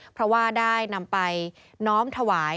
เพราะว่าได้นำไปน้อมถวาย